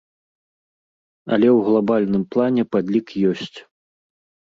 Але ў глабальным плане падлік ёсць.